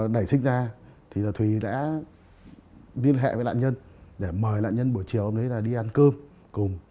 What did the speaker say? đẩy xích ra thì thủy đã liên hệ với đạn nhân để mời đạn nhân buổi chiều hôm đấy đi ăn cơm cùng